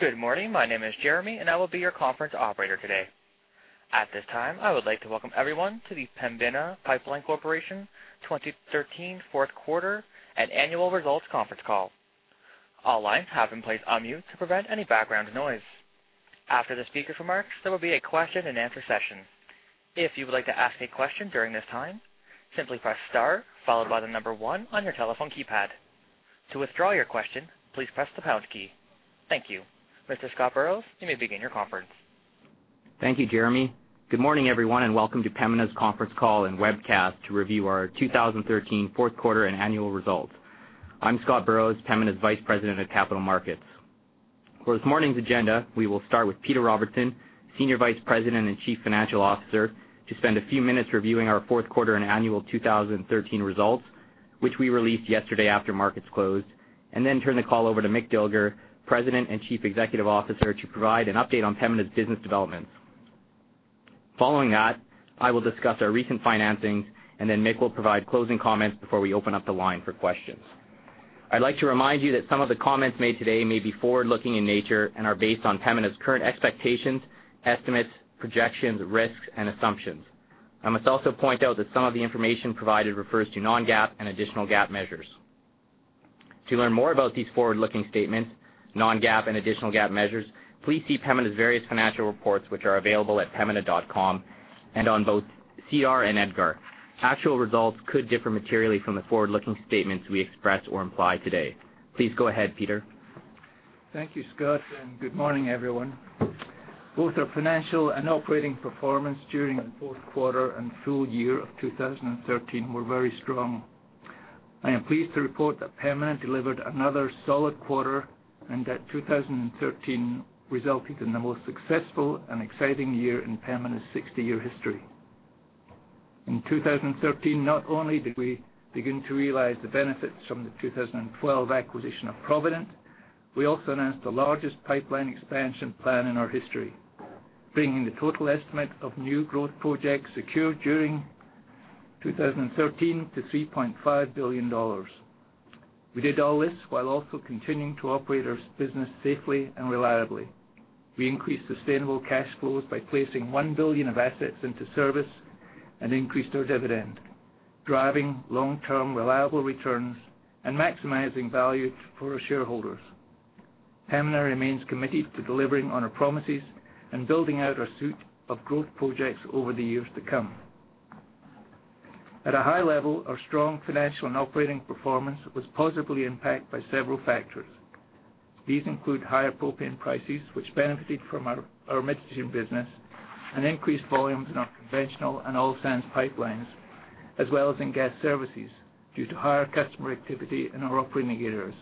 Good morning. My name is Jeremy, and I will be your conference operator today. At this time, I would like to welcome everyone to the Pembina Pipeline Corporation 2013 fourth quarter and annual results conference call. All lines have been placed on mute to prevent any background noise. After the speaker's remarks, there will be a question-and-answer session. If you would like to ask a question during this time, simply press star followed by the number one on your telephone keypad. To withdraw your question, please press the pound key. Thank you. Mr. Scott Burrows, you may begin your conference. Thank you, Jeremy. Good morning, everyone, and welcome to Pembina's conference call and webcast to review our 2013 fourth quarter and annual results. I'm Scott Burrows, Pembina's Vice President of Capital Markets. For this morning's agenda, we will start with Peter Robertson, Senior Vice President and Chief Financial Officer, to spend a few minutes reviewing our fourth quarter and annual 2013 results, which we released yesterday after markets closed, and then turn the call over to Mick Dilger, President and Chief Executive Officer, to provide an update on Pembina's business developments. Following that, I will discuss our recent financings, and then Mick will provide closing comments before we open up the line for questions. I'd like to remind you that some of the comments made today may be forward-looking in nature and are based on Pembina's current expectations, estimates, projections, risks, and assumptions. I must also point out that some of the information provided refers to non-GAAP and additional GAAP measures. To learn more about these forward-looking statements, non-GAAP, and additional GAAP measures, please see Pembina's various financial reports, which are available at pembina.com and on both SEDAR and EDGAR. Actual results could differ materially from the forward-looking statements we express or imply today. Please go ahead, Peter. Thank you, Scott, and good morning, everyone. Both our financial and operating performance during the fourth quarter and full year of 2013 were very strong. I am pleased to report that Pembina delivered another solid quarter and that 2013 resulted in the most successful and exciting year in Pembina's 60-year history. In 2013, not only did we begin to realize the benefits from the 2012 acquisition of Provident, we also announced the largest pipeline expansion plan in our history, bringing the total estimate of new growth projects secured during 2013 to CAD 3.5 billion. We did all this while also continuing to operate our business safely and reliably. We increased sustainable cash flows by placing 1 billion of assets into service and increased our dividend, driving long-term reliable returns and maximizing value for our shareholders. Pembina remains committed to delivering on our promises and building out our suite of growth projects over the years to come. At a high level, our strong financial and operating performance was positively impacted by several factors. These include higher propane prices, which benefited our Midstream business and increased volumes in our Conventional and Oil Sands pipelines, as well as in Gas Services due to higher customer activity in our operating areas.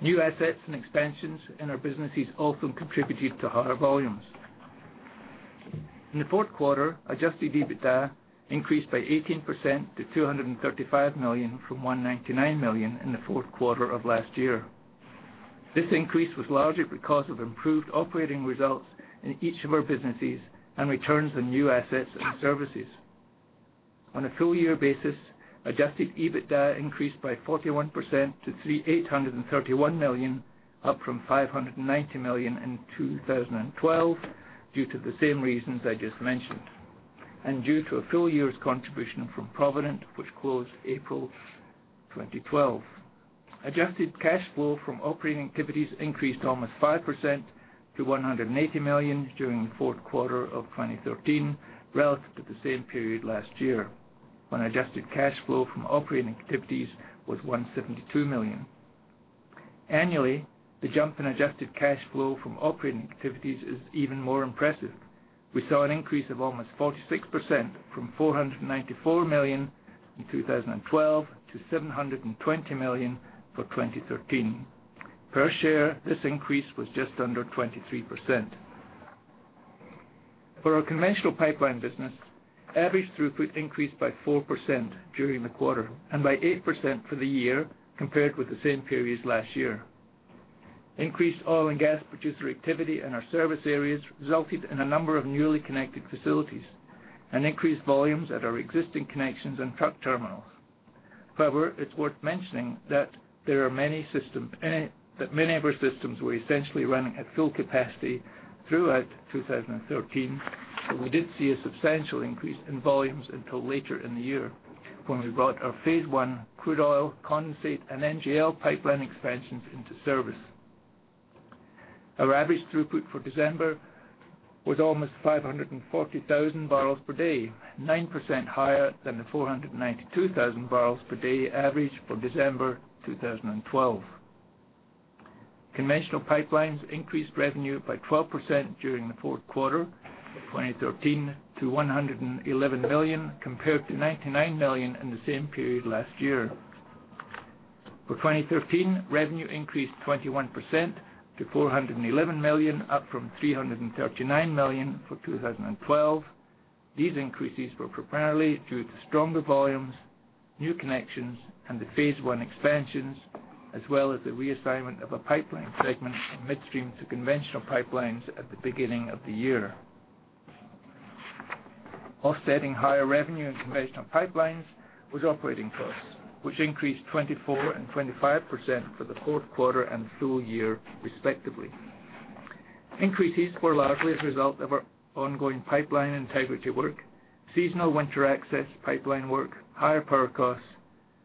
New assets and expansions in our businesses also contributed to higher volumes. In the fourth quarter, adjusted EBITDA increased by 18% to 235 million from 199 million in the fourth quarter of last year. This increase was largely because of improved operating results in each of our businesses and returns on new assets and services. On a full-year basis, adjusted EBITDA increased by 41% to 831 million, up from 590 million in 2012 due to the same reasons I just mentioned, and due to a full year's contribution from Provident, which closed April 2012. Adjusted cash flow from operating activities increased almost 5% to 180 million during the fourth quarter of 2013, relative to the same period last year, when adjusted cash flow from operating activities was 172 million. Annually, the jump in adjusted cash flow from operating activities is even more impressive. We saw an increase of almost 46% from 494 million in 2012 to 720 million for 2013. Per share, this increase was just under 23%. For our Conventional Pipeline business, average throughput increased by 4% during the quarter and by 8% for the year compared with the same period last year. Increased oil and gas producer activity in our service areas resulted in a number of newly connected facilities and increased volumes at our existing connections and truck terminals. However, it's worth mentioning that many of our systems were essentially running at full capacity throughout 2013, and we didn't see a substantial increase in volumes until later in the year when we brought our Phase 1 crude oil, condensate, and NGL pipeline expansions into service. Our average throughput for December was almost 540,000 bpd, 9% higher than the 492,000 bpd average for December Conventional Pipelines increased revenue by 12% during the fourth quarter of 2013 to 111 million, compared to 99 million in the same period last year. For 2013, revenue increased 21% to 411 million, up from 339 million for 2012. These increases were primarily due to stronger volumes, new connections, and the Phase 1 expansions, as well as the reassignment of a pipeline segment from Midstream to Conventional Pipelines at the beginning of the year. Offsetting higher revenue Conventional Pipelines was operating costs, which increased 24% and 25% for the fourth quarter and full year respectively. Increases were largely a result of our ongoing pipeline integrity work, seasonal winter access pipeline work, higher power costs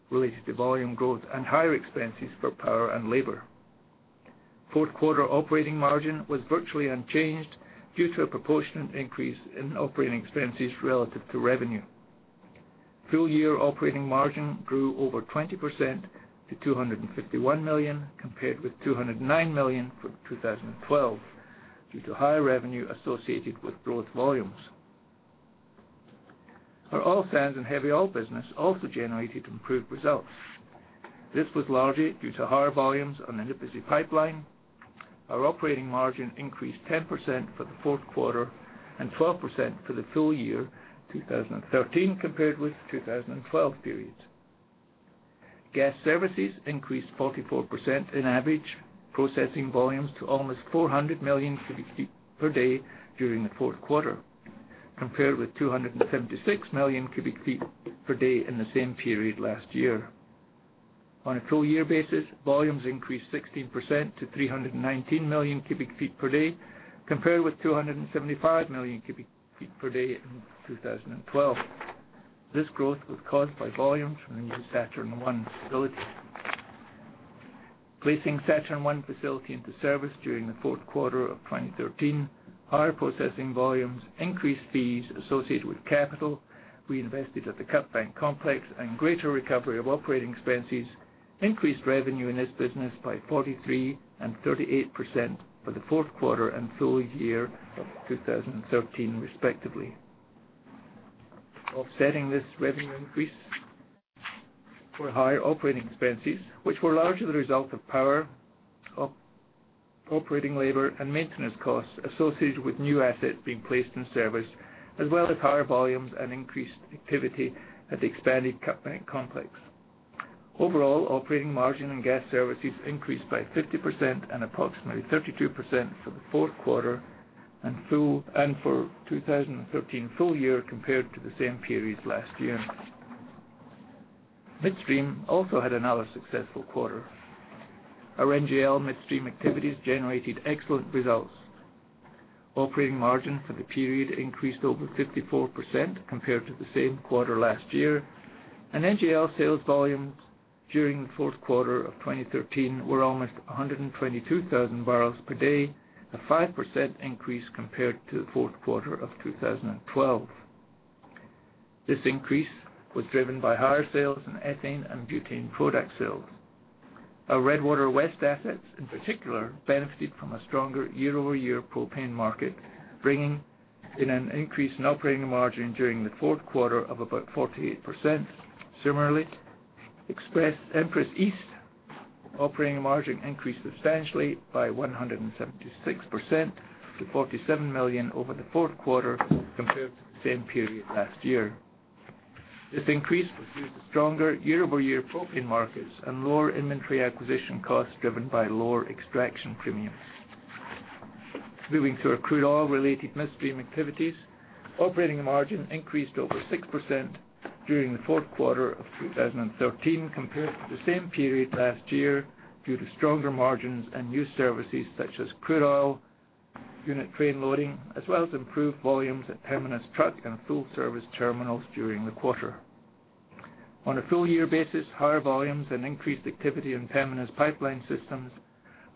related to volume growth, and higher expenses for power and labor. Fourth quarter operating margin was virtually unchanged due to a proportionate increase in operating expenses relative to revenue. Full-year operating margin grew over 20% to 251 million, compared with 209 million for 2012, due to higher revenue associated with growth volumes. Our Oil Sands & Heavy Oil business also generated improved results. This was largely due to higher volumes on the Nipisi Pipeline. Our operating margin increased 10% for the fourth quarter and 12% for the full year 2013 compared with 2012 periods. Gas Services increased 44% in average processing volumes to almost MMcf/d during the fourth quarter, compared with 276 MMcf/d in the same period last year. On a full year basis, volumes increased 16% to 319 MMcf/d, compared with 275 MMcf/d in 2012. This growth was caused by volumes from the new Saturn I facility. Placing Saturn I facility into service during the fourth quarter of 2013, higher processing volumes, increased fees associated with capital we invested at the Cutbank Complex and greater recovery of operating expenses increased revenue in this business by 43% and 38% for the fourth quarter and full year of 2013, respectively. Offsetting this revenue increase were higher operating expenses, which were largely the result of power, operating labor, and maintenance costs associated with new assets being placed in service, as well as higher volumes and increased activity at the expanded Cutbank complex. Overall, operating margin and gas services increased by 50% and approximately 32% for the fourth quarter and for 2013 full year compared to the same periods last year. Midstream also had another successful quarter. Our NGL Midstream activities generated excellent results. Operating margin for the period increased over 54% compared to the same quarter last year, and NGL sales volumes during the fourth quarter of 2013 were almost 122,000 bpd, a 5% increase compared to the fourth quarter of 2012. This increase was driven by higher sales in ethane and butane product sales. Our Redwater West assets, in particular, benefited from a stronger year-over-year propane market, bringing in an increase in operating margin during the fourth quarter of about 48%. Similarly, Empress East operating margin increased substantially by 176% to 47 million over the fourth quarter compared to the same period last year. This increase was due to stronger year-over-year propane markets and lower inventory acquisition costs driven by lower extraction premiums. Moving to our crude oil-related Midstream activities, operating margin increased over 6% during the fourth quarter of 2013 compared to the same period last year due to stronger margins and new services such as crude oil unit train loading, as well as improved volumes at Terminus Truck and full-service terminals during the quarter. On a full-year basis, higher volumes and increased activity in Terminus pipeline systems,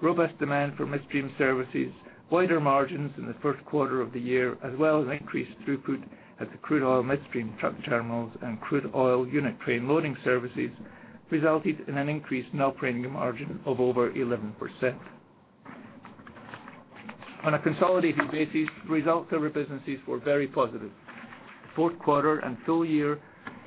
robust demand for Midstream services, wider margins in the first quarter of the year, as well as increased throughput at the crude oil Midstream truck terminals and crude oil unit train loading services resulted in an increase in operating margin of over 11%. On a consolidated basis, results of our businesses were very positive. Fourth quarter and full year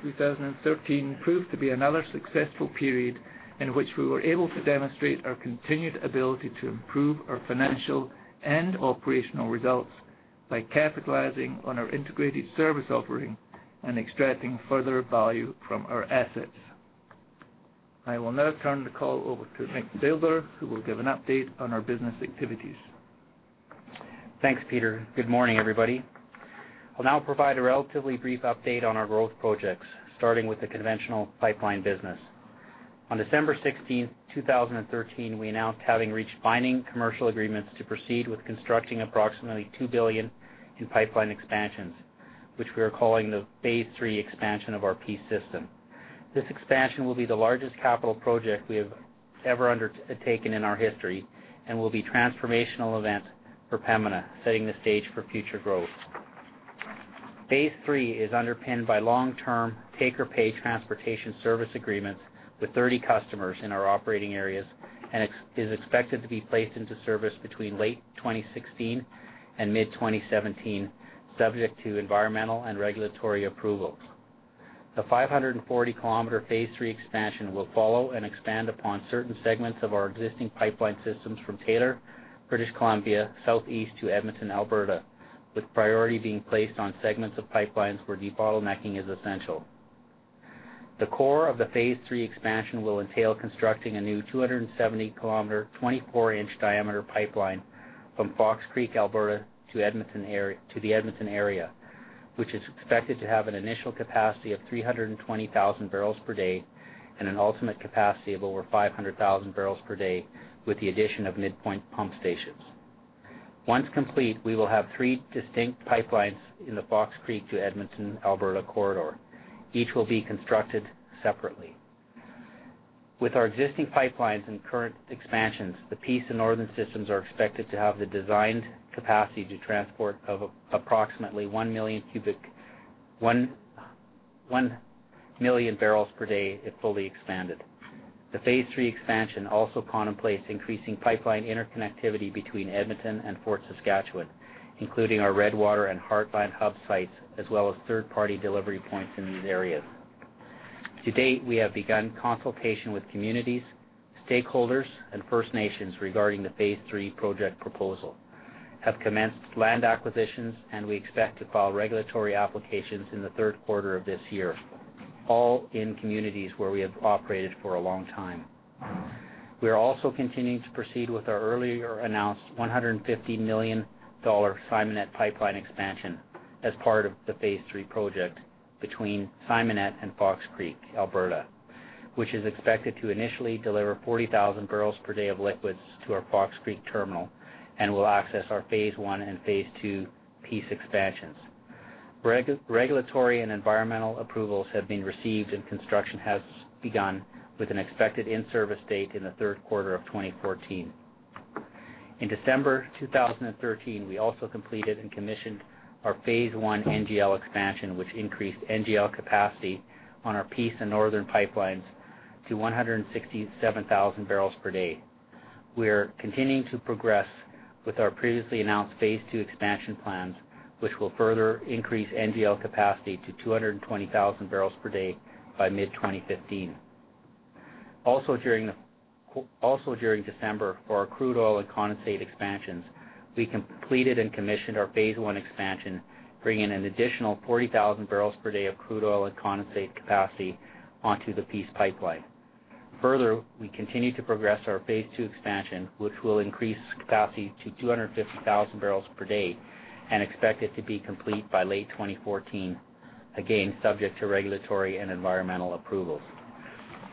2013 proved to be another successful period in which we were able to demonstrate our continued ability to improve our financial and operational results by capitalizing on our integrated service offering and extracting further value from our assets. I will now turn the call over to Mick Dilger, who will give an update on our business activities. Thanks, Peter. Good morning, everybody. I'll now provide a relatively brief update on our growth projects, starting with the Conventional Pipeline business. On December 16th, 2013, we announced having reached binding commercial agreements to proceed with constructing approximately 2 billion in pipeline expansions, which we are calling the Phase III expansion of our Peace System. This expansion will be the largest capital project we have ever undertaken in our history and will be a transformational event for Pembina, setting the stage for future growth. Phase III is underpinned by long-term take-or-pay transportation service agreements with 30 customers in our operating areas and is expected to be placed into service between late 2016 and mid-2017, subject to environmental and regulatory approvals. The 540 km Phase III expansion will follow and expand upon certain segments of our existing pipeline systems from Taylor, British Columbia southeast to Edmonton, Alberta, with priority being placed on segments of pipelines where debottlenecking is essential. The core of the Phase III expansion will entail constructing a new 270 km, 24-inch diameter pipeline from Fox Creek, Alberta to the Edmonton area, which is expected to have an initial capacity of 320,000 bpd and an ultimate capacity of over 500,000 bpd with the addition of midpoint pump stations. Once complete, we will have three distinct pipelines in the Fox Creek to Edmonton, Alberta corridor. Each will be constructed separately. With our existing pipelines and current expansions, the Peace and Northern systems are expected to have the designed capacity to transport approximately 1 million bpd if fully expanded. The Phase III expansion also contemplates increasing pipeline interconnectivity between Edmonton and Fort Saskatchewan, including our Redwater and Heartland hub sites, as well as third-party delivery points in these areas. To date, we have begun consultation with communities, stakeholders, and First Nations regarding the Phase III project proposal, have commenced land acquisitions, and we expect to file regulatory applications in the third quarter of this year, all in communities where we have operated for a long time. We are also continuing to proceed with our earlier announced 150 million dollar Simonette pipeline expansion as part of the Phase III project between Simonette and Fox Creek, Alberta, which is expected to initially deliver 40,000 bpd of liquids to our Fox Creek terminal and will access our Phase 1 and Phase 2 Peace expansions. Regulatory and environmental approvals have been received, and construction has begun with an expected in-service date in the third quarter of 2014. In December 2013, we also completed and commissioned our Phase 1 NGL expansion, which increased NGL capacity on our Peace and Northern pipelines to 167,000 bpd. We're continuing to progress with our previously announced Phase 2 expansion plans, which will further increase NGL capacity to 220,000 bpd by mid-2015. Also during December, for our crude oil and condensate expansions, we completed and commissioned our Phase 1 expansion, bringing an additional 40,000 bpd of crude oil and condensate capacity onto the Peace Pipeline. Further, we continue to progress our Phase 2 expansion, which will increase capacity to 250,000 bpd and expect it to be complete by late 2014, again, subject to regulatory and environmental approvals.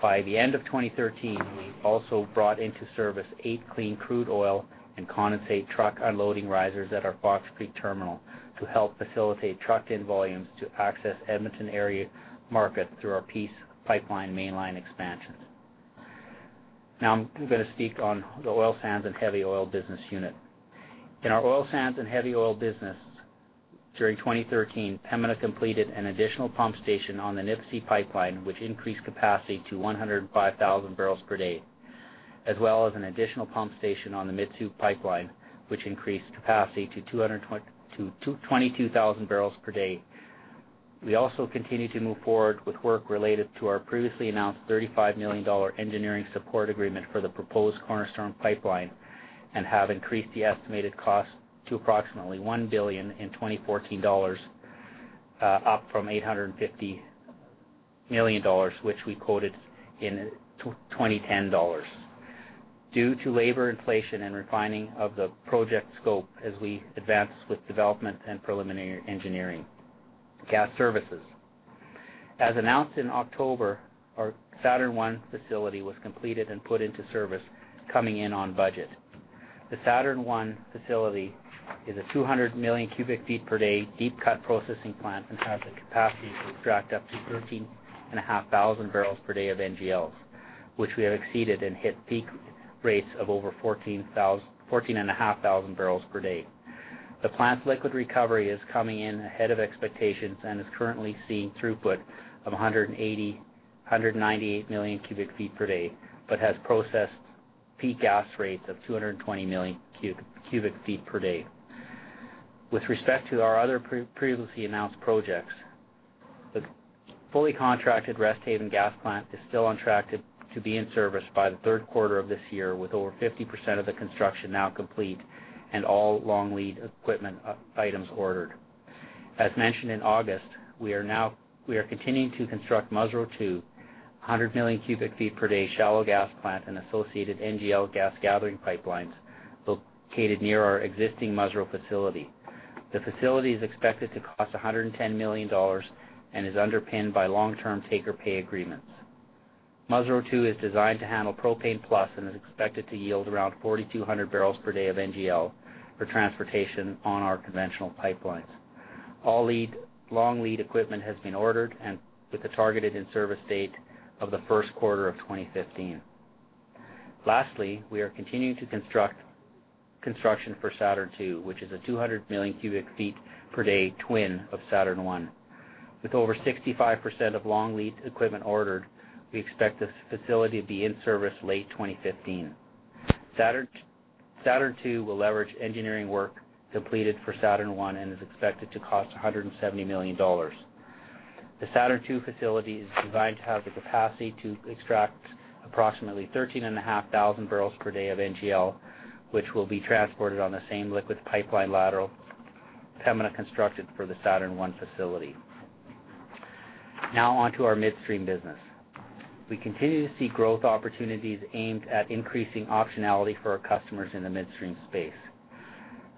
By the end of 2013, we also brought into Service 8 Clean Crude Oil and condensate truck unloading risers at our Fox Creek terminal to help facilitate truck-in volumes to access Edmonton area market through our Peace Pipeline mainline expansions. Now I'm going to speak on the Oil Sands & Heavy Oil business unit. In our Oil Sands & Heavy Oil business, during 2013, Pembina completed an additional pump station on the Nipisi Pipeline, which increased capacity to 105,000 bpd, as well as an additional pump station on the Mitsue Pipeline, which increased capacity to 222,000 bpd. We also continue to move forward with work related to our previously announced 35 million dollar engineering support agreement for the proposed Cornerstone Pipeline and have increased the estimated cost to approximately 1 billion in 2014, up from 850 million dollars, which we quoted in 2010 due to labor inflation and refining of the project scope as we advance with development and preliminary engineering. Gas Services. As announced in October, our Saturn I facility was completed and put into service, coming in on budget. The Saturn I facility is a 200 MMcf/d deep-cut processing plant and has the capacity to extract up to 13,500 bpd of NGLs, which we have exceeded and hit peak rates of over 14,500 bpd. The plant's liquid recovery is coming in ahead of expectations and is currently seeing throughput of 198 MMcf/d, but has processed peak gas rates of 220 MMcf/d. With respect to our other previously announced projects, the fully contracted Resthaven Gas Plant is still on track to be in service by the third quarter of this year, with over 50% of the construction now complete and all long lead equipment items ordered. As mentioned in August, we are continuing to construct Musreau 2, 100 MMcf/d shallow-cut gas plant and associated NGL gas gathering pipelines located near our existing Musreau facility. The facility is expected to cost 110 million dollars and is underpinned by long-term take-or-pay agreements. Musreau 2 is designed to handle propane plus and is expected to yield around 4,200 bpd of NGL for transportation on Conventional Pipelines. all long lead equipment has been ordered, with a targeted in-service date of the first quarter of 2015. Lastly, we are continuing construction for Saturn II, which is a 200 MMcf/d twin of Saturn I. With over 65% of long lead equipment ordered, we expect this facility to be in service late 2015. Saturn II will leverage engineering work completed for Saturn I and is expected to cost 170 million dollars. The Saturn II facility is designed to have the capacity to extract approximately 13,500 bpd of NGL, which will be transported on the same liquid pipeline lateral Pembina constructed for the Saturn I facility. Now on to our Midstream business. We continue to see growth opportunities aimed at increasing optionality for our customers in the Midstream space.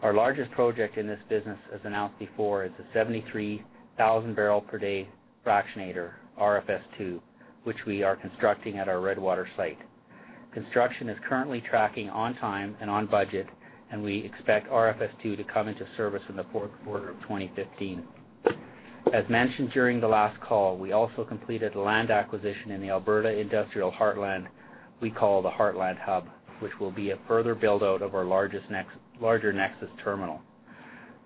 Our largest project in this business, as announced before, is a 73,000 bpd fractionator, RFS II, which we are constructing at our Redwater site. Construction is currently tracking on time and on budget, and we expect RFS II to come into service in the fourth quarter of 2015. As mentioned during the last call, we also completed land acquisition in the Alberta Industrial Heartland, which we call the Heartland Hub, which will be a further build-out of our larger Nexus Terminal.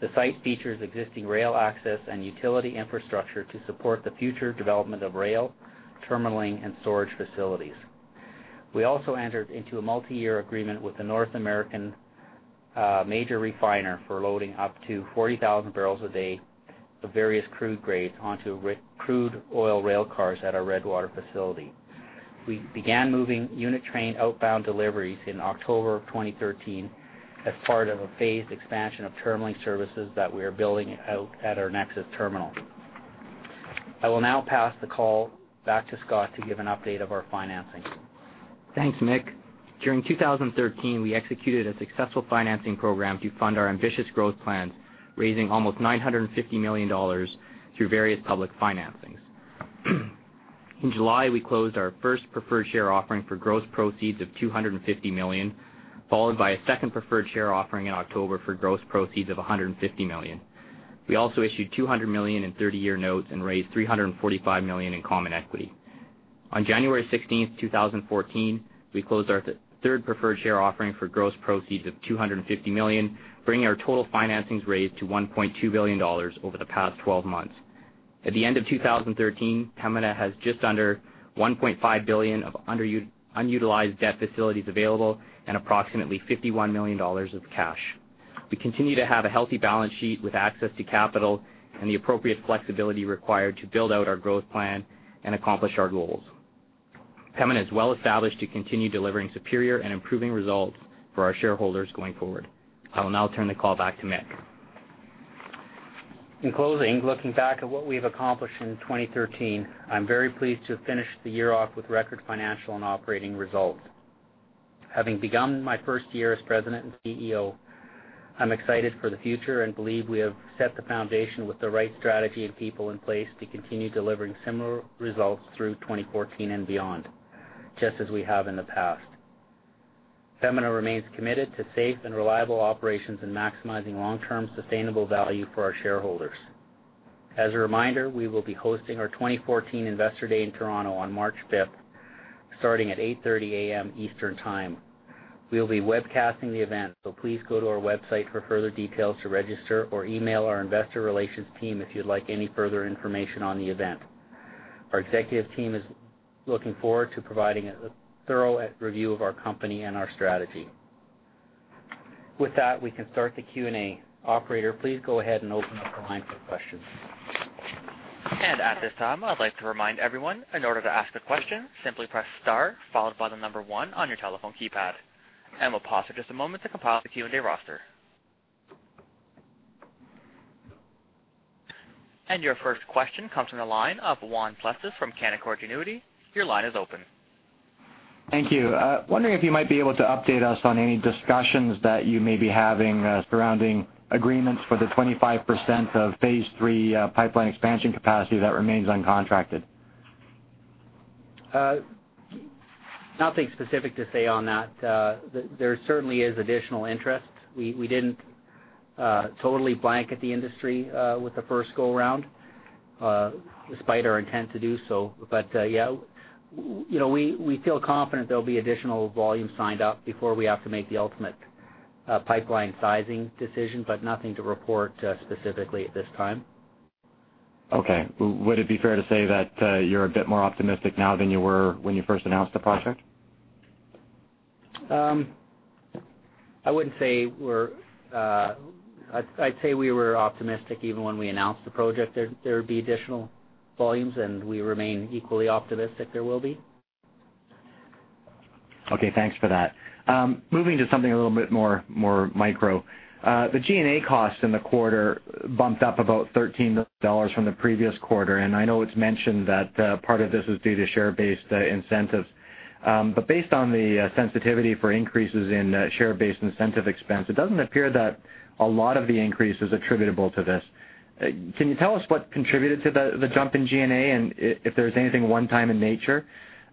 The site features existing rail access and utility infrastructure to support the future development of rail, terminalling, and storage facilities. We also entered into a multi-year agreement with a North American major refiner for loading up to 40,000 bpd of various crude grades onto crude oil rail cars at our Redwater facility. We began moving unit train outbound deliveries in October of 2013 as part of a phased expansion of terminalling services that we are building out at our Nexus Terminal. I will now pass the call back to Scott to give an update of our financing. Thanks, Mick. During 2013, we executed a successful financing program to fund our ambitious growth plans, raising almost 950 million dollars through various public financings. In July, we closed our first preferred share offering for gross proceeds of 250 million, followed by a second preferred share offering in October for gross proceeds of 150 million. We also issued 200 million in 30-year notes and raised 345 million in common equity. On January 16th, 2014, we closed our third preferred share offering for gross proceeds of 250 million, bringing our total financings raised to 1.2 billion dollars over the past 12 months. At the end of 2013, Pembina has just under 1.5 billion of unutilized debt facilities available and approximately 51 million dollars of cash. We continue to have a healthy balance sheet with access to capital and the appropriate flexibility required to build out our growth plan and accomplish our goals. Pembina is well established to continue delivering superior and improving results for our shareholders going forward. I will now turn the call back to Mick. In closing, looking back at what we've accomplished in 2013, I'm very pleased to have finished the year off with record financial and operating results. Having begun my first year as President and CEO, I'm excited for the future and believe we have set the foundation with the right strategy and people in place to continue delivering similar results through 2014 and beyond, just as we have in the past. Pembina remains committed to safe and reliable operations and maximizing long-term sustainable value for our shareholders. As a reminder, we will be hosting our 2014 Investor Day in Toronto on March 5th, starting at 8:30 A.M. Eastern Time. We'll be webcasting the event, so please go to our website for further details to register, or email our investor relations team if you'd like any further information on the event. Our executive team is looking forward to providing a thorough review of our company and our strategy. With that, we can start the Q&A. Operator, please go ahead and open up the line for questions. At this time, I'd like to remind everyone, in order to ask a question, simply press star followed by the number one on your telephone keypad. We'll pause for just a moment to compile the Q&A roster. Your first question comes from the line of Juan Plessis from Canaccord Genuity. Your line is open. Thank you. Wondering if you might be able to update us on any discussions that you may be having surrounding agreements for the 25% of Phase III pipeline expansion capacity that remains uncontracted? Nothing specific to say on that. There certainly is additional interest. We didn't totally blanket the industry with the first go-round, despite our intent to do so. Yeah. We feel confident there'll be additional volume signed up before we have to make the ultimate pipeline sizing decision, but nothing to report specifically at this time. Okay. Would it be fair to say that you're a bit more optimistic now than you were when you first announced the project? I'd say we were optimistic even when we announced the project there'd be additional volumes, and we remain equally optimistic there will be. Okay, thanks for that. Moving to something a little bit more micro. The G&A costs in the quarter bumped up about 13 million dollars from the previous quarter. I know it's mentioned that part of this is due to share-based incentives. Based on the sensitivity for increases in share-based incentive expense, it doesn't appear that a lot of the increase is attributable to this. Can you tell us what contributed to the jump in G&A and if there's anything one time in nature?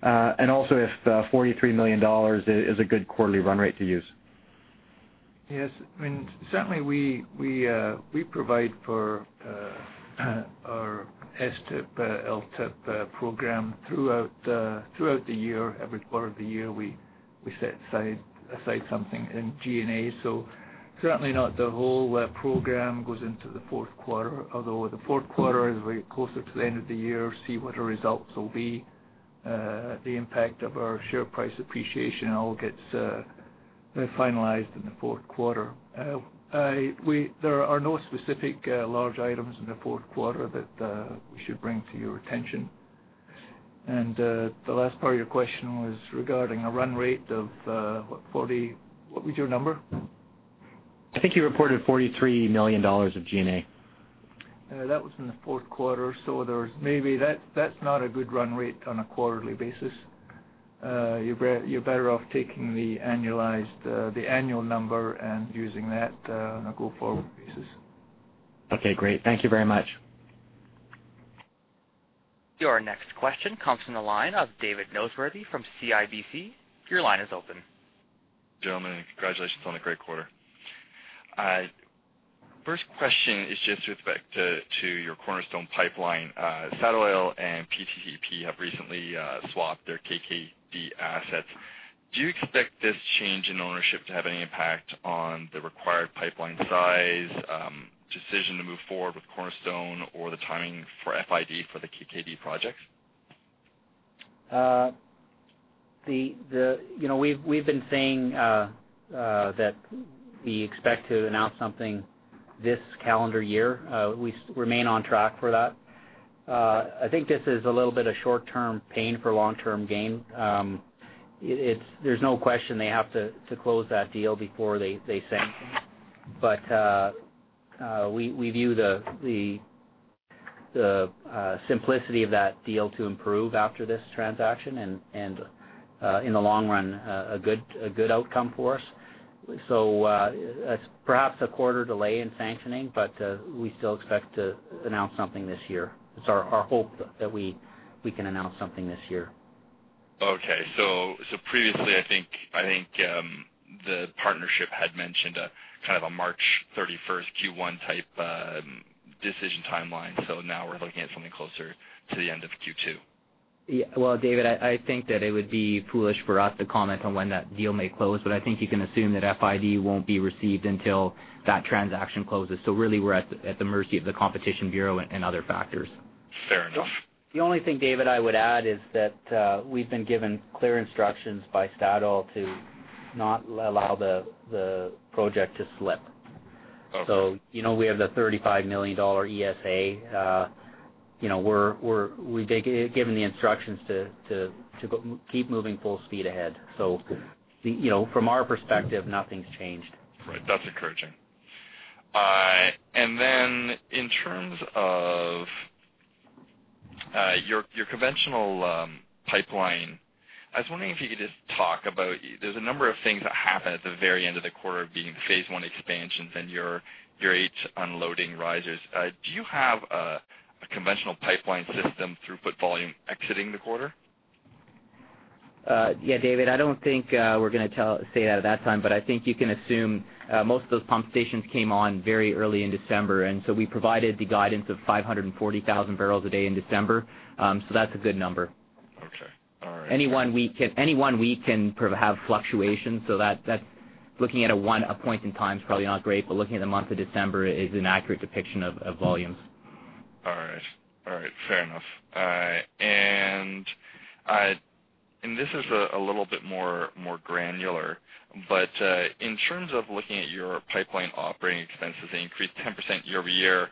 Also if 43 million dollars is a good quarterly run rate to use? Yes. Certainly, we provide for our STIP, LTIP program throughout the year. Every quarter of the year, we set aside something in G&A. Certainly not the whole program goes into the fourth quarter, although the fourth quarter, as we get closer to the end of the year, we see what our results will be. The impact of our share price appreciation all gets finalized in the fourth quarter. There are no specific large items in the fourth quarter that we should bring to your attention. The last part of your question was regarding a run rate of what, 40 million? What was your number? I think you reported 43 million dollars of G&A. That was in the fourth quarter, so that's not a good run rate on a quarterly basis. You're better off taking the annual number and using that on a go-forward basis. Okay, great. Thank you very much. Your next question comes from the line of David Noseworthy from CIBC. Your line is open. Gentlemen, congratulations on a great quarter. First question is just with respect to your Cornerstone Pipeline. Statoil and PTTEP have recently swapped their KKD assets. Do you expect this change in ownership to have any impact on the required pipeline size, decision to move forward with Cornerstone or the timing for FID for the KKD project? We've been saying that we expect to announce something this calendar year. We remain on track for that. I think this is a little bit of short-term pain for long-term gain. There's no question they have to close that deal before they sanction. We view the simplicity of that deal to improve after this transaction, and in the long run, a good outcome for us and perhaps a quarter delay in sanctioning, but we still expect to announce something this year. It's our hope that we can announce something this year. Okay. Previously, I think the partnership had mentioned a March 31st Q1 type decision timeline so now we're looking at something closer to the end of Q2. Well, David, I think that it would be foolish for us to comment on when that deal may close, but I think you can assume that FID won't be received until that transaction closes so really, we're at the mercy of the Competition Bureau and other factors. Fair enough. The only thing, David, I would add is that we've been given clear instructions by Statoil to not allow the project to slip. Okay. We have the 35 million dollar ESA. We've been given the instructions to keep moving full speed ahead. From our perspective, nothing's changed. Right. That's encouraging. In terms of your Conventional Pipeline, I was wondering if you could just talk about. There's a number of things that happened at the very end of the quarter, being the Phase 1 expansions and your H unloading risers. Do you have a Conventional Pipeline system throughput volume exiting the quarter? Yeah, David. I don't think we're going to say that at that time, but I think you can assume most of those pump stations came on very early in December, and so we provided the guidance of 540,000 bpd in December. That's a good number. Okay. All right. Any one week can have fluctuations, so looking at a point in time is probably not great, but looking at the month of December is an accurate depiction of volumes. All right. Fair enough. This is a little bit more granular, but in terms of looking at your pipeline operating expenses, they increased 10% year-over-year.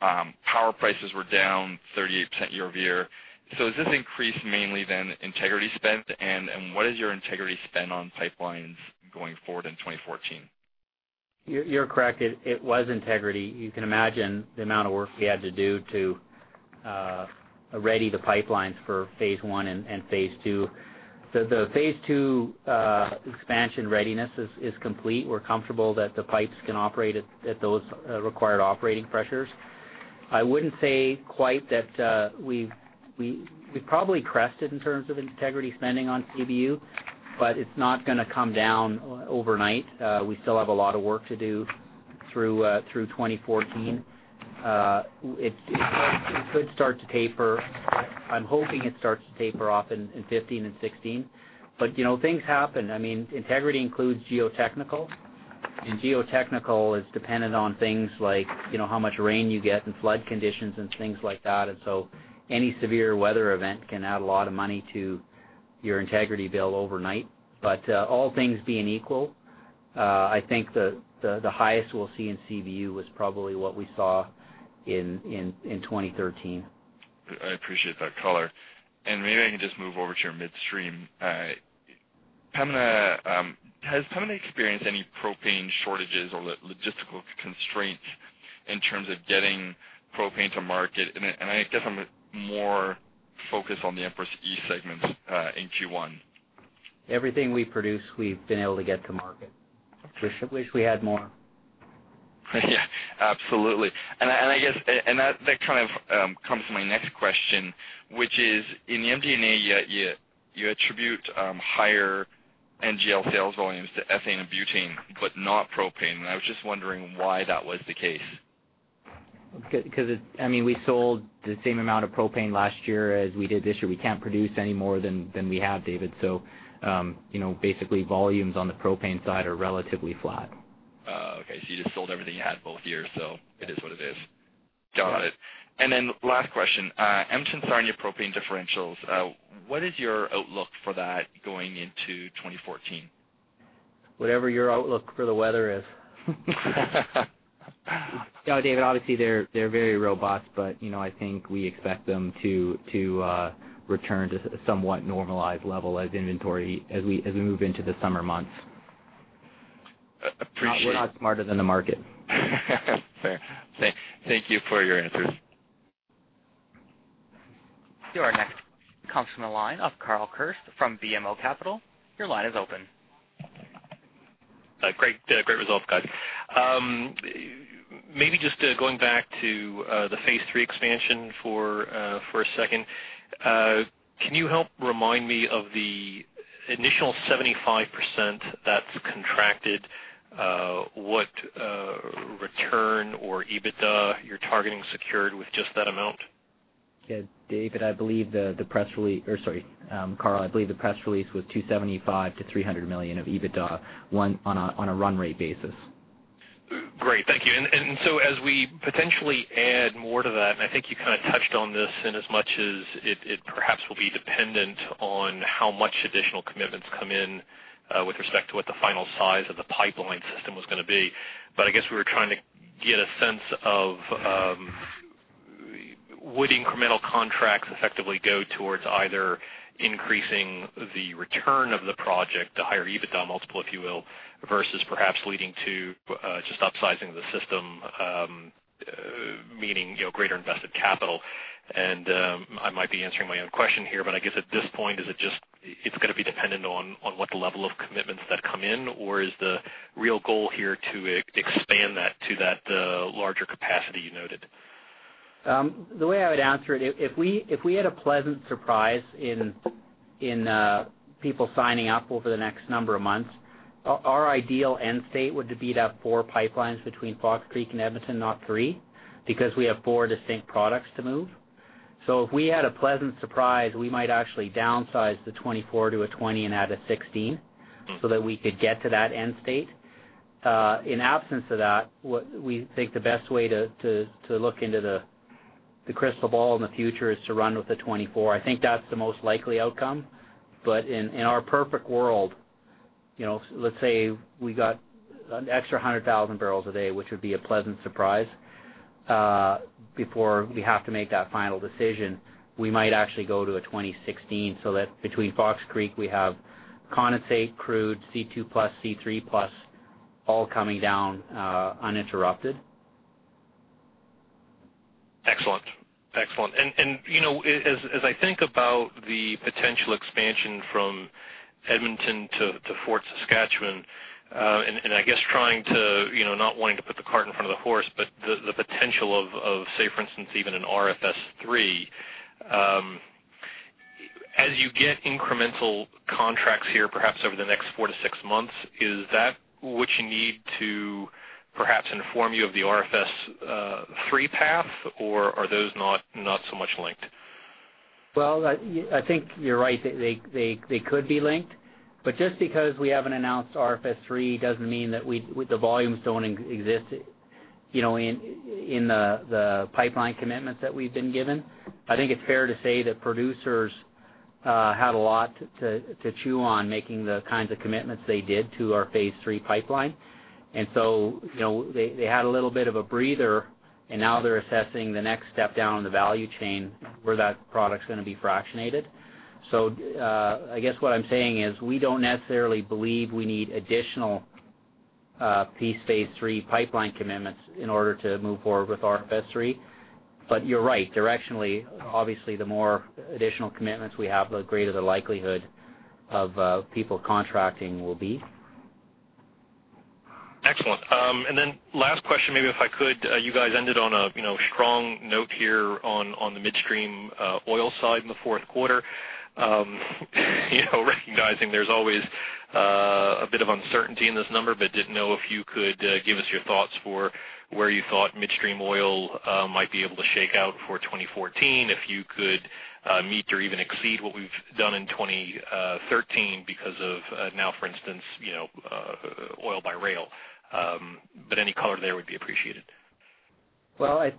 Power prices were down 38% year-over-year. Is this increase mainly then integrity spend? What is your integrity spend on pipelines going forward in 2014? You're correct. It was integrity. You can imagine the amount of work we had to do to ready the pipelines for Phase 1 and Phase 2. The Phase 2 expansion readiness is complete. We're comfortable that the pipes can operate at those required operating pressures. I wouldn't say quite that. We've probably crested in terms of integrity spending on CBU, but it's not going to come down overnight. We still have a lot of work to do through 2014. It could start to taper. I'm hoping it starts to taper off in 2015 and 2016 but things happen. Integrity includes geotechnical, and geotechnical is dependent on things like how much rain you get and flood conditions and things like that. Any severe weather event can add a lot of money to your integrity bill overnight. All things being equal, I think the highest we'll see in CBU was probably what we saw in 2013. I appreciate that color. Maybe I can just move over to your Midstream. Has Pembina experienced any propane shortages or logistical constraints in terms of getting propane to market? I guess I'm more focused on the Empress E segment in Q1. Everything we produce, we've been able to get to market. I wish we had more. Yeah. Absolutely. That comes to my next question, which is, in the MD&A, you attribute higher NGL sales volumes to ethane and butane, but not propane. I was just wondering why that was the case. Because we sold the same amount of propane last year as we did this year. We can't produce any more than we have, David. Basically volumes on the propane side are relatively flat. Oh, okay. So you just sold everything you had both years, so it is what it is. Got it. Last question. Entering Sarnia propane differentials, what is your outlook for that going into 2014? Whatever your outlook for the weather is. No, David, obviously they're very robust, but I think we expect them to return to somewhat normalized levels as inventories, as we move into the summer months. Appreciate- We're not smarter than the market. Fair. Thank you for your answers. Your next question comes from the line of Carl Kirst from BMO Capital. Your line is open. Great results, guys. Maybe just going back to the Phase III expansion for a second. Can you help remind me of the initial 75% that's contracted, what return or EBITDA you're targeting secured with just that amount? Carl, I believe the press release was 275 million-300 million of EBITDA on a run rate basis. Great. Thank you. We potentially add more to that, and I think you kind of touched on this in as much as it perhaps will be dependent on how much additional commitments come in, with respect to what the final size of the pipeline system was going to be. I guess we were trying to get a sense of, would incremental contracts effectively go towards either increasing the return of the project, the higher EBITDA multiple, if you will, versus perhaps leading to just upsizing the system, meaning greater invested capital. I might be answering my own question here, but I guess at this point, is it just, it's going to be dependent on what the level of commitments that come in or is the real goal here to expand that to that larger capacity you noted? The way I would answer it, if we had a pleasant surprise in people signing up over the next number of months, our ideal end state would be to have four pipelines between Fox Creek and Edmonton, not three, because we have four distinct products to move. If we had a pleasant surprise, we might actually downsize the 24 to a 20 and add a 16 so that we could get to that end state. In absence of that, we think the best way to look into the crystal ball in the future is to run with the 24. I think that's the most likely outcome. In our perfect world, let's say we got an extra 100,000 bpd, which would be a pleasant surprise, before we have to make that final decision, we might actually go to a 2016 so that between Fox Creek, we have condensate, crude, C2+, C3+, all coming down uninterrupted. Excellent. As I think about the potential expansion from Edmonton to Fort Saskatchewan, and I guess trying to not wanting to put the cart in front of the horse, but the potential of say, for instance, even an RFS III. As you get incremental contracts here, perhaps over the next four to six months, is that what you need to perhaps inform you of the RFS III path or are those not so much linked? Well, I think you're right. They could be linked, but just because we haven't announced RFS III doesn't mean that the volumes don't exist in the pipeline commitments that we've been given. I think it's fair to say that producers had a lot to chew on making the kinds of commitments they did to our Phase 3 pipeline. They had a little bit of a breather, and now they're assessing the next step down in the value chain where that product's going to be fractionated. I guess what I'm saying is, we don't necessarily believe we need additional Phase 3 pipeline commitments in order to move forward with RFS III. You're right. Directionally, obviously, the more additional commitments we have, the greater the likelihood of people contracting will be. Excellent. Last question, maybe if I could. You guys ended on a strong note here on the Midstream oil side in the fourth quarter. Recognizing there's always a bit of uncertainty in this number, but didn't know if you could give us your thoughts for where you thought Midstream oil might be able to shake out for 2014, if you could meet or even exceed what we've done in 2013 because of, now, for instance, oil by rail. Any color there would be appreciated. Well, as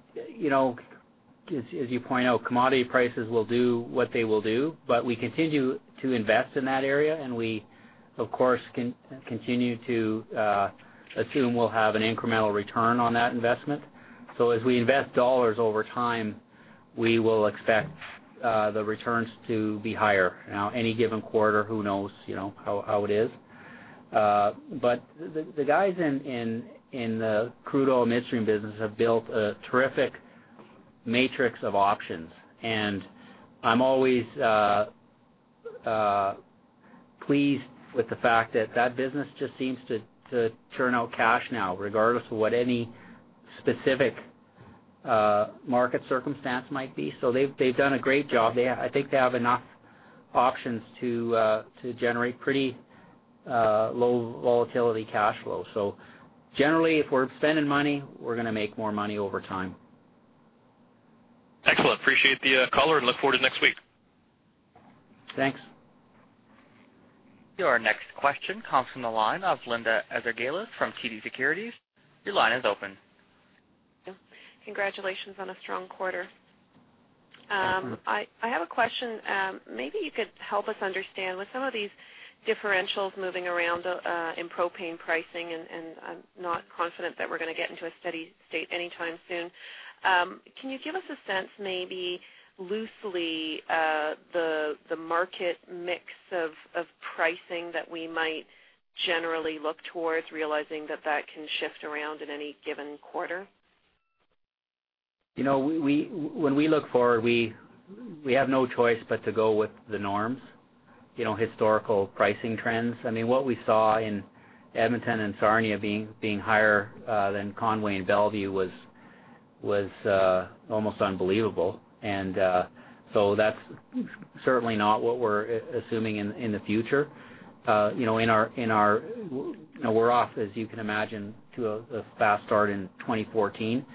you point out, commodity prices will do what they will do, but we continue to invest in that area, and we of course continue to assume we'll have an incremental return on that investment. As we invest dollars over time, we will expect the returns to be higher. Now, any given quarter, who knows how it is. The guys in the crude oil Midstream business have built a terrific matrix of options, and I'm always pleased with the fact that that business just seems to churn out cash now, regardless of what any specific market circumstance might be. They've done a great job. I think they have enough options to generate pretty low volatility cash flow. Generally, if we're spending money, we're going to make more money over time. Excellent. Appreciate the color and look forward to next week. Thanks. Your next question comes from the line of Linda Ezergailis from TD Securities. Your line is open. Congratulations on a strong quarter. I have a question. Maybe you could help us understand, with some of these differentials moving around in propane pricing, and I'm not confident that we're going to get into a steady state anytime soon. Can you give us a sense, maybe loosely, the market mix of pricing that we might generally look towards, realizing that that can shift around in any given quarter? When we look forward, we have no choice but to go with the norms, historical pricing trends. What we saw in Edmonton and Sarnia being higher than Conway and Belvieu was almost unbelievable so that's certainly not what we're assuming in the future. We're off, as you can imagine, to a fast start in 2014.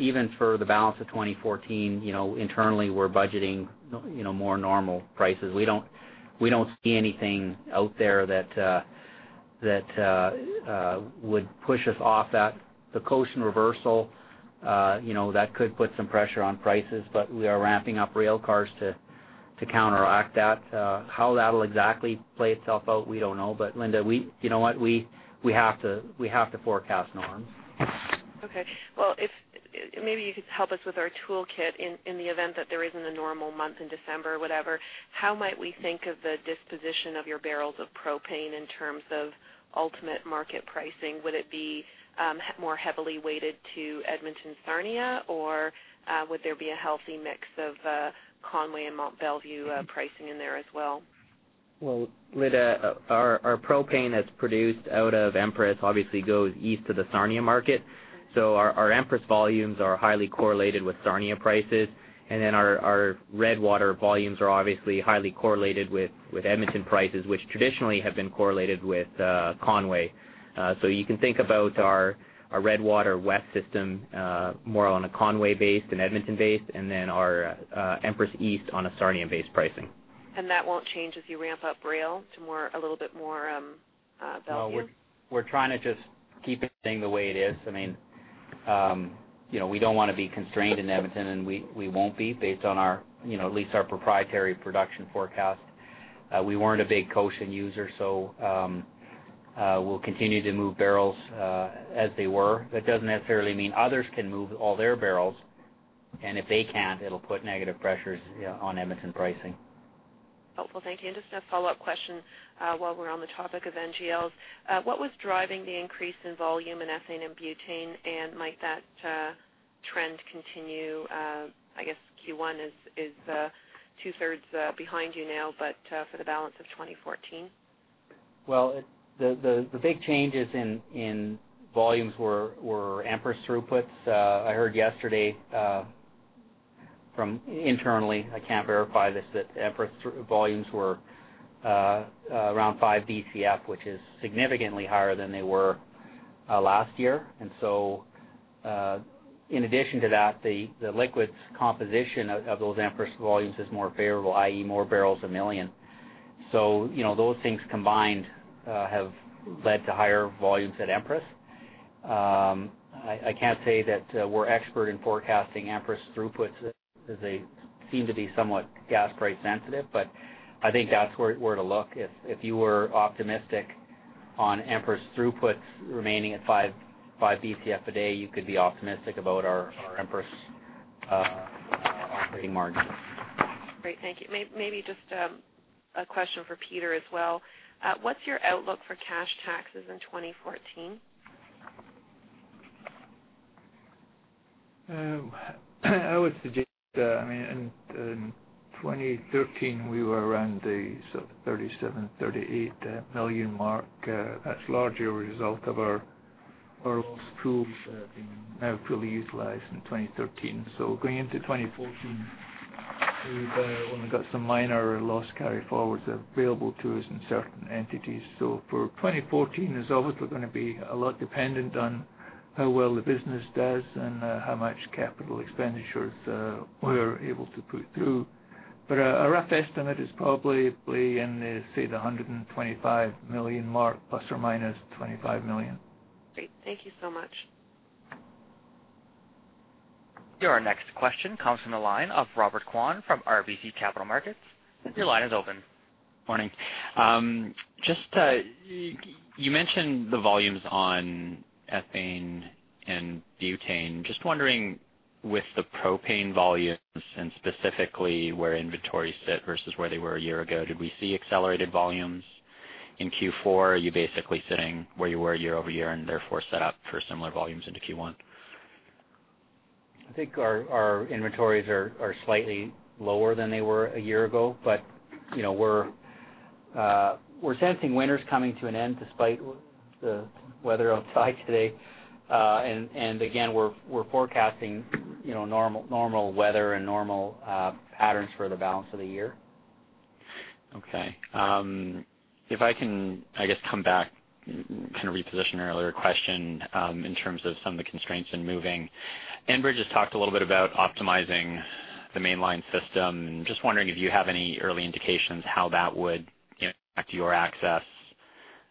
Even for the balance of 2014, internally, we're budgeting more normal prices. We don't see anything out there that would push us off that. The Cochin reversal, that could put some pressure on prices, but we are ramping up rail cars to counteract that. How that'll exactly play itself out, we don't know. Linda, you know what? We have to forecast norms. Okay. Well, maybe you could help us with our toolkit in the event that there isn't a normal month in December or whatever. How might we think of the disposition of your barrels of propane in terms of ultimate market pricing? Would it be more heavily weighted to Edmonton, Sarnia, or would there be a healthy mix of Conway and Mont Belvieu pricing in there as well? Well, Linda, our propane that's produced out of Empress obviously goes east to the Sarnia market. Our Empress volumes are highly correlated with Sarnia prices. Our Redwater volumes are obviously highly correlated with Edmonton prices, which traditionally have been correlated with Conway. You can think about our Redwater west system more on a Conway-based and Edmonton-based, and then our Empress east on a Sarnia-based pricing. That won't change as you ramp up rail to a little bit more Belvieu? No, we're trying to just keep it staying the way it is. We don't want to be constrained in Edmonton, and we won't be based on at least our proprietary production forecast. We weren't a big Cochin user, so we'll continue to move barrels as they were. That doesn't necessarily mean others can move all their barrels. If they can't, it'll put negative pressures on Edmonton pricing. Helpful. Thank you. Just a follow-up question while we're on the topic of NGLs. What was driving the increase in volume in ethane and butane, and might that trend continue? I guess Q1 is 2/3 behind you now, but for the balance of 2014? Well, the big changes in volumes were Empress throughputs. I heard yesterday from internally, I can't verify this, that Empress volumes were around 5 Bcf, which is significantly higher than they were last year. In addition to that, the liquids composition of those Empress volumes is more favorable, i.e., more barrels per million. Those things combined have led to higher volumes at Empress. I can't say that we're expert in forecasting Empress throughputs as they seem to be somewhat gas price sensitive, but I think that's where to look. If you were optimistic on Empress throughput remaining at 5 Bcf a day, you could be optimistic about our Empress operating margins. Great. Thank you. Maybe just a question for Peter as well. What's your outlook for cash taxes in 2014? I would suggest that in 2013, we were around the 37 million-38 million mark. That's largely a result of our loss pools being now fully utilized in 2013. Going into 2014, we've only got some minor loss carryforwards available to us in certain entities. For 2014, it's obviously going to be a lot dependent on how well the business does and how much capital expenditures we're able to put through. A rough estimate is probably in the, say, the 125 million mark, ±25 million. Great. Thank you so much. Your next question comes from the line of Robert Kwan from RBC Capital Markets. Your line is open. Morning. You mentioned the volumes on ethane and butane. Just wondering, with the propane volumes and specifically where inventories sit versus where they were a year ago, did we see accelerated volumes in Q4? Are you basically sitting where you were year-over-year and therefore set up for similar volumes into Q1? I think our inventories are slightly lower than they were a year ago. We're sensing winter's coming to an end despite the weather outside today. Again, we're forecasting normal weather and normal patterns for the balance of the year. Okay. If I can, I guess, come back, reposition an earlier question in terms of some of the constraints in moving. Enbridge has talked a little bit about optimizing the mainline system. Just wondering if you have any early indications how that would impact your access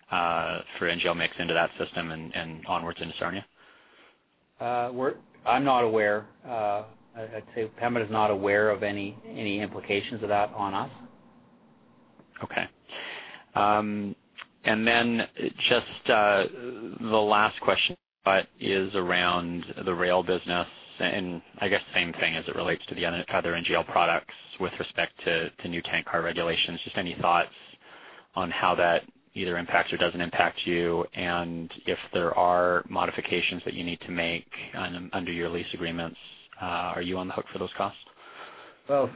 for NGL mix into that system and onwards into Sarnia? I'm not aware. I'd say Pembina is not aware of any implications of that on us. Okay. Just the last question is around the rail business, I guess same thing as it relates to the other NGL products with respect to new tank car regulations. Just any thoughts on how that either impacts or doesn't impact you? If there are modifications that you need to make under your lease agreements, are you on the hook for those costs? Well,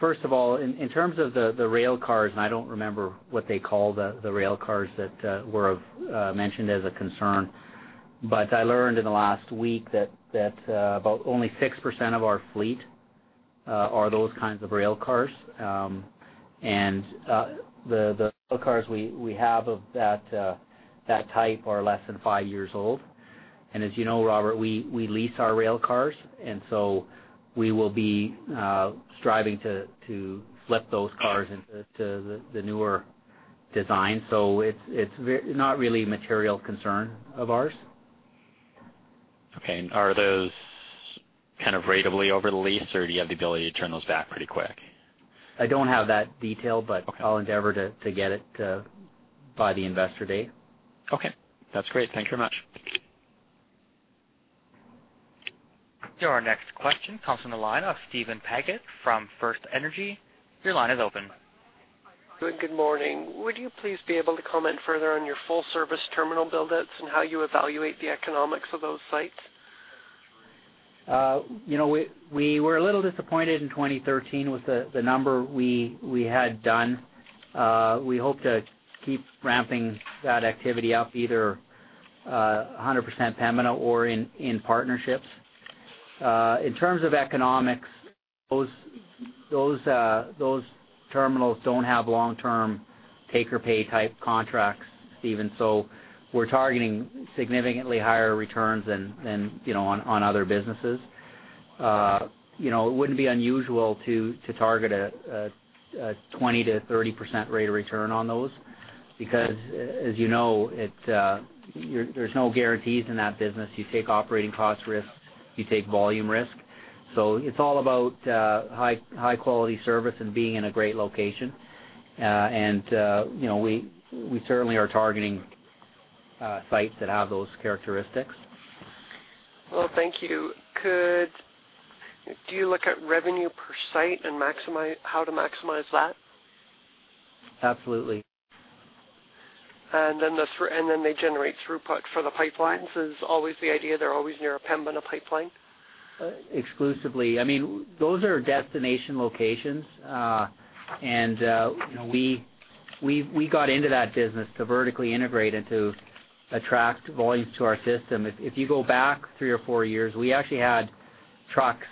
first of all, in terms of the rail cars, and I don't remember what they call the rail cars that were mentioned as a concern, but I learned in the last week that about only 6% of our fleet are those kinds of rail cars. The rail cars we have of that type are less than five years old. As you know, Robert, we lease our rail cars, and so we will be striving to flip those cars into the newer design so it's not really a material concern of ours. Okay. Are those kind of ratably over the lease, or do you have the ability to turn those back pretty quick? I don't have that detail. Okay. I'll endeavor to get it by the investor day. Okay, that's great. Thank you very much. Your next question comes from the line of Steven Paget from FirstEnergy. Your line is open. Good morning. Would you please be able to comment further on your full service terminal build-outs and how you evaluate the economics of those sites? We were a little disappointed in 2013 with the number we had done. We hope to keep ramping that activity up either 100% Pembina or in partnerships. In terms of economics, those terminals don't have long-term take-or-pay type contracts, Steven, so we're targeting significantly higher returns than on other businesses. It wouldn't be unusual to target a 20%-30% rate of return on those because, as you know, there's no guarantees in that business. You take operating cost risks, you take volume risk. It's all about high-quality service and being in a great location. We certainly are targeting sites that have those characteristics. Well, thank you. Do you look at revenue per site and how to maximize that? Absolutely. They generate throughput for the pipelines is always the idea, they're always near a Pembina pipeline? Exclusively. Those are destination locations and we got into that business to vertically integrate and to attract volumes to our system. If you go back three or four years, we actually had trucks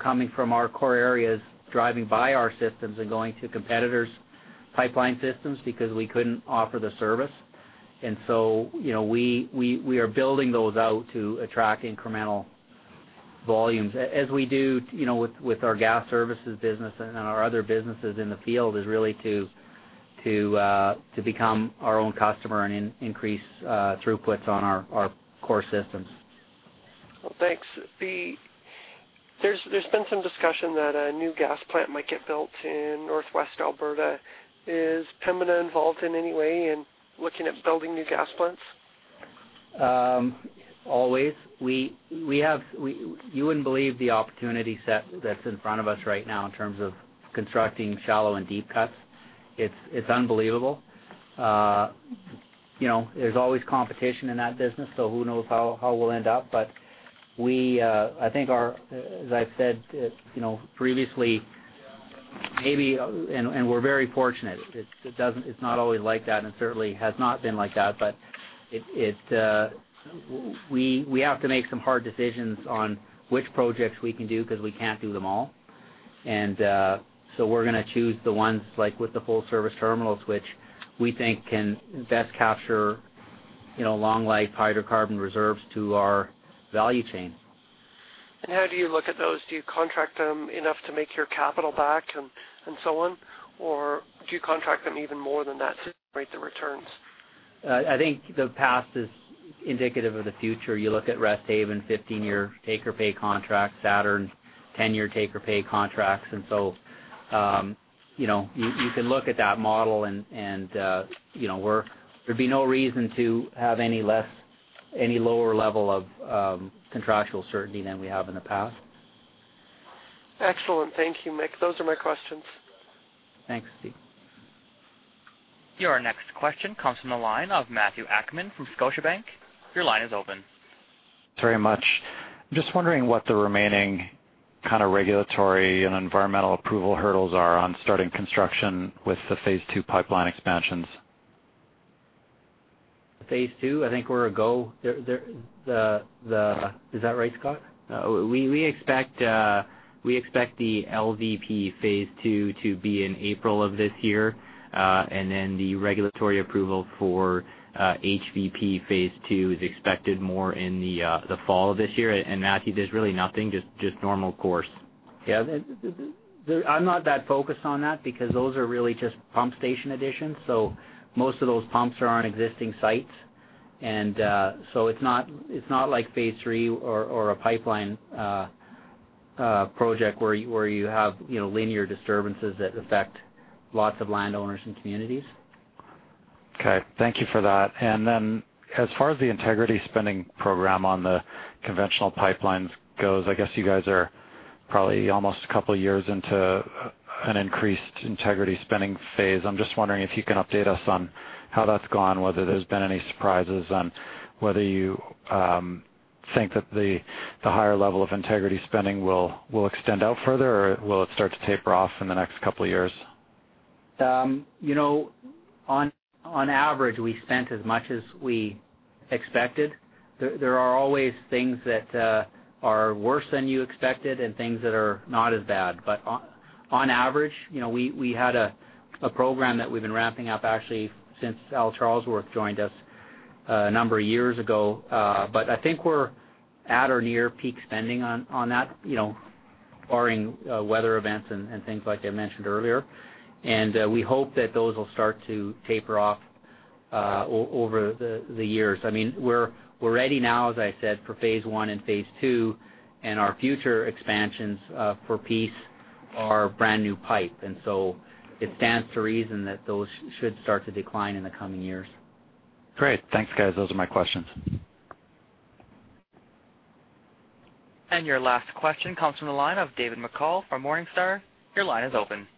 coming from our core areas, driving by our systems and going to competitors' pipeline systems because we couldn't offer the service. We are building those out to attract incremental volumes as we do with our Gas Services business and our other businesses in the field, is really to become our own customer and increase throughputs on our core systems. Well, thanks. There's been some discussion that a new gas plant might get built in Northwest Alberta. Is Pembina involved in any way in looking at building new gas plants Always. You wouldn't believe the opportunity set that's in front of us right now in terms of constructing shallow-cut and deep-cut. It's unbelievable. There's always competition in that business, so who knows how we'll end up, but as I've said previously, and we're very fortunate, it's not always like that and certainly has not been like that, but we have to make some hard decisions on which projects we can do because we can't do them all. We're going to choose the ones, like with the full service terminals, which we think can best capture long life hydrocarbon reserves to our value chain. How do you look at those? Do you contract them enough to make your capital back and so on or do you contract them even more than that to rate the returns? I think the past is indicative of the future. You look at Resthaven, 15-year take-or-pay contract, Saturn, 10-year take-or-pay contracts. You can look at that model and there'd be no reason to have any lower level of contractual certainty than we have in the past. Excellent. Thank you, Mick. Those are my questions. Thanks, Steve. Your next question comes from the line of Matthew Akman from Scotiabank. Your line is open. Thanks very much. I'm just wondering what the remaining kind of regulatory and environmental approval hurdles are on starting construction with the Phase 2 pipeline expansions. Phase 2, I think we're a go. Is that right, Scott? We expect the LVP Phase 2 to be in April of this year. The regulatory approval for HVP Phase 2 is expected more in the fall of this year. Matthew, there's really nothing, just normal course. Yeah. I'm not that focused on that because those are really just pump station additions. So most of those pumps are on existing sites. It's not like Phase III or a pipeline project where you have linear disturbances that affect lots of landowners and communities. Okay. Thank you for that. As far as the integrity spending program on Conventional Pipelines goes, I guess you guys are probably almost a couple years into an increased integrity spending phase. I'm just wondering if you can update us on how that's gone, whether there's been any surprises, and whether you think that the higher level of integrity spending will extend out further, or will it start to taper off in the next couple of years? On average, we spent as much as we expected. There are always things that are worse than you expected and things that are not as bad. On average, we had a program that we've been ramping up actually since Allan Charlesworth joined us a number of years ago. I think we're at or near peak spending on that barring weather events and things like I mentioned earlier. We hope that those will start to taper off over the years. We're ready now, as I said, for Phase 1 and Phase 2, and our future expansions for Peace are brand-new pipe. It stands to reason that those should start to decline in the coming years. Great. Thanks, guys. Those are my questions. Your last question comes from the line of David McColl from Morningstar. Your line is open.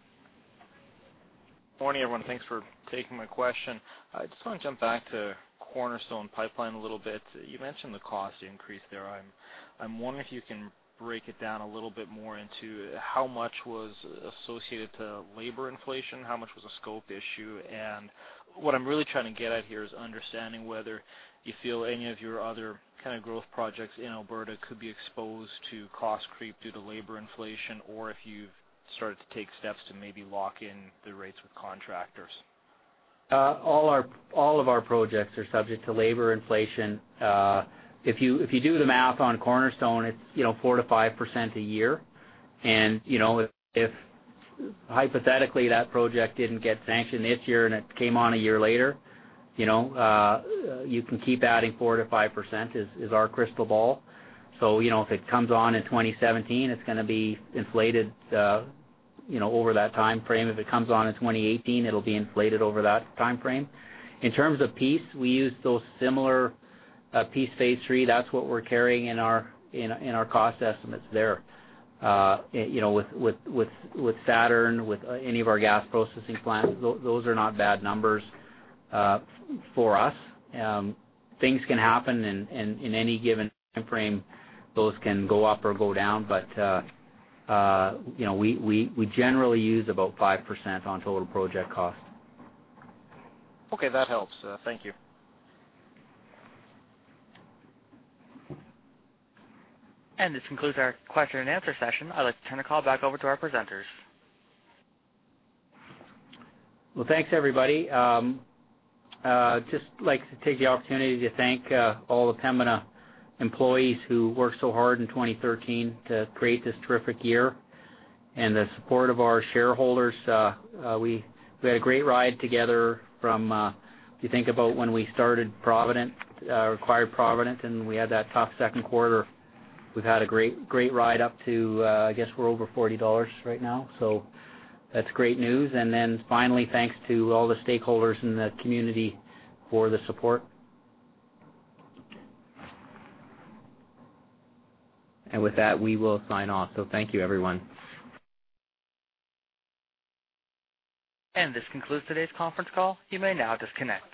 Morning, everyone. Thanks for taking my question. I just want to jump back to Cornerstone Pipeline a little bit. You mentioned the cost increase there. I'm wondering if you can break it down a little bit more into how much was associated to labor inflation, how much was a scope issue, and what I'm really trying to get at here is understanding whether you feel any of your other kind of growth projects in Alberta could be exposed to cost creep due to labor inflation, or if you've started to take steps to maybe lock in the rates with contractors. All of our projects are subject to labor inflation. If you do the math on Cornerstone, it's 4%-5% a year. If hypothetically that project didn't get sanctioned this year and it came on a year later, you can keep adding 4%-5%, is our crystal ball. If it comes on in 2017, it's going to be inflated over that timeframe. If it comes on in 2018, it'll be inflated over that timeframe. In terms of Peace, we use those similar Peace Phase III. That's what we're carrying in our cost estimates there. With Saturn, with any of our gas processing plants, those are not bad numbers for us. Things can happen in any given timeframe. Those can go up or go down. We generally use about 5% on total project cost. Okay, that helps. Thank you. This concludes our question-and-answer session. I'd like to turn the call back over to our presenters. Well, thanks everybody. Just like to take the opportunity to thank all the Pembina employees who worked so hard in 2013 to create this terrific year. The support of our shareholders. We had a great ride together from, if you think about when we started Provident, acquired Provident, and we had that tough second quarter. We've had a great ride up to, I guess we're over 40 dollars right now. That's great news. Finally, thanks to all the stakeholders in the community for the support. With that, we will sign off. Thank you, everyone. This concludes today's conference call. You may now disconnect.